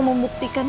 sinta tuh diri kamu